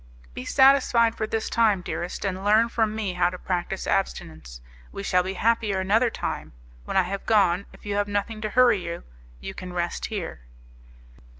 "Be satisfied for this time, dearest, and learn from me how to practice abstinence; we shall be happier another time. When I have gone, if you have nothing to hurry you, you can rest here."